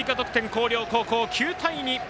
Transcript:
広陵高校９対２！